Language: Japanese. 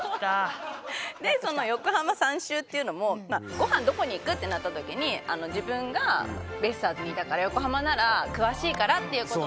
その横浜３周っていうのもご飯どこに行く？ってなった時に自分がベイスターズにいたから横浜なら詳しいからっていうことで。